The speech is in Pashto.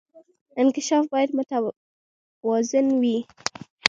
انکشاف باید متوازن وي